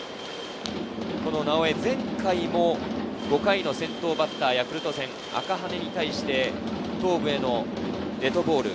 直江、前回も５回の先頭バッター、ヤクルト戦、赤羽に対してデッドボール。